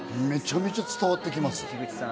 めちゃめちゃ伝わってきます。